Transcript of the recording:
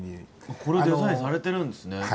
これデザインされてるんですね。